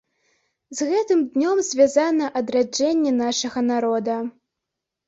З гэтым днём звязана адраджэнне нашага народа.